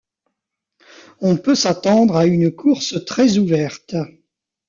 On peut s'attendre à une course très ouverte.